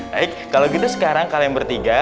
baik kalau gitu sekarang kalian bertiga